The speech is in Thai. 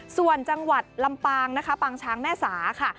ส่วนจังหวัดลำปางนะคะปางช้างแม่สาค่ะ